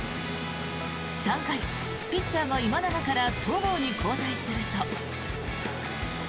３回、ピッチャーが今永から戸郷に交代すると。